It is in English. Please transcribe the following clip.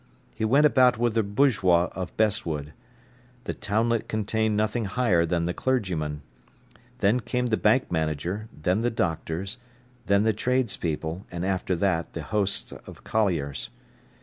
He went about with the bourgeois of Bestwood. The townlet contained nothing higher than the clergyman. Then came the bank manager, then the doctors, then the tradespeople, and after that the hosts of colliers.